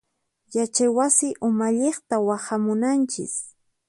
Yachay wasi umalliqta waqhamunanchis.